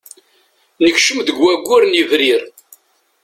Nekcem deg waggur n yebrir.